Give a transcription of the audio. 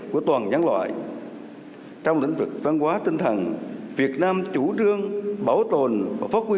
của toàn nhân loại trong lĩnh vực văn hóa tinh thần việt nam chủ trương bảo tồn và phát huy